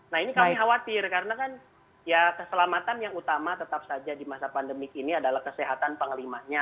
nah ini kami khawatir karena kan ya keselamatan yang utama tetap saja di masa pandemi ini adalah kesehatan panglimanya